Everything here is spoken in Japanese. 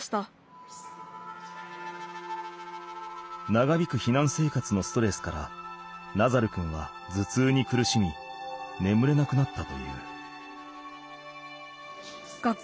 長引く避難生活のストレスからナザル君は頭痛に苦しみ眠れなくなったという。